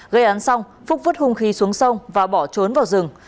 gây án xong phúc vứt hung khí xuống sông và bỏ trốn vào rừng